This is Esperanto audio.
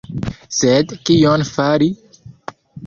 Sed kion fari?!